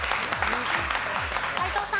斎藤さん。